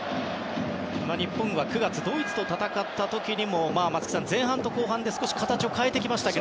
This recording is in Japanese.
日本は９月ドイツと戦った時にも松木さん、前半と後半で少し形を変えてきましたが。